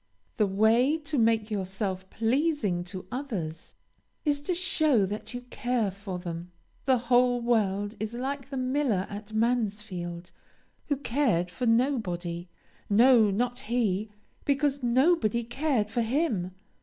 The way to make yourself pleasing to others, is to show that you care for them. The whole world is like the miller at Mansfield, "who cared for nobody no, not he because nobody cared for him."